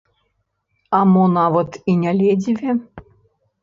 А мо нават і не ледзьве.